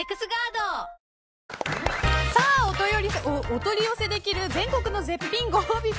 お取り寄せできる全国の絶品ご褒美